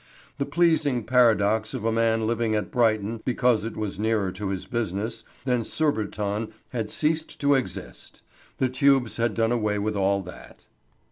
The pleasing paradox of a man living at Brighton because it was nearer to his business than Surbiton had ceased to exist. The tubes had done away with all that.